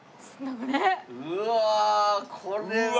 うわあこれは。